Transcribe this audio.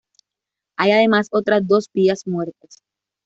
Hay además otras dos vías muertas.